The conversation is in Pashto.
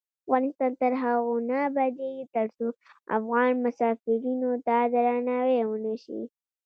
افغانستان تر هغو نه ابادیږي، ترڅو افغان مسافرینو ته درناوی ونشي.